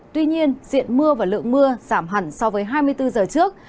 tuy nhiên diện mưa và lượng mưa giảm hẳn so với hai mươi bốn giờ trước